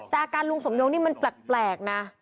แต่อาการลุงสมยงนี่มันแปลกนะ